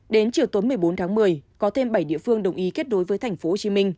đến chiều tối một mươi bốn tháng một mươi có thêm bảy địa phương đồng ý kết nối với tp hcm